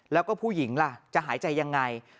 แล้วก็ผู้หญิงล่ะจะหายใจยังไง